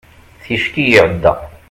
ticki iɛedda